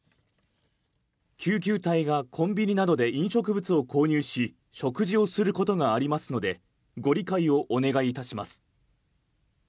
救急隊がコンビニなどで飲食物を購入し食事をすることがありますのでご理解をお願いいたします。